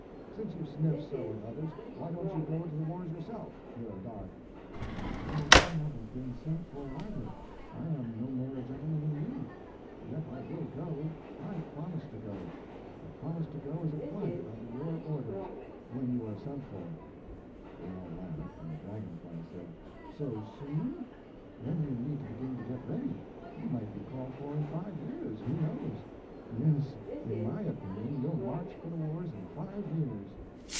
"Since you sniff so at others, why don't you go to the wars yourself, Pierre d'Arc?" "Oh, I haven't been sent for, either. I am no more a gentleman than you. Yet I will go; I promise to go. I promise to go as a private under your orders—when you are sent for." They all laughed, and the Dragon fly said: "So soon? Then you need to begin to get ready; you might be called for in five years—who knows? Yes, in my opinion you'll march for the wars in five years."